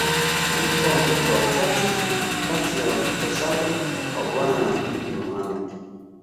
Alikuwa mtoto wa tatu kati ya watoto saba wa Bwana na Bibi Mohamed